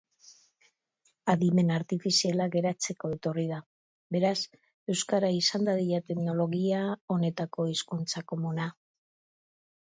Adimen Artifiziala geratzeko etorri da. Beraz, euskara izan dadila teknologia honetako hizkuntza komuna.